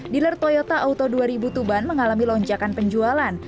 dealer toyota auto dua ribu tuban mengalami lonjakan penjualan